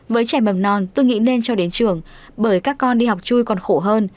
với trẻ mầm non tôi nghĩ nên cho đến trường bởi các con đi học chui còn khổ hơn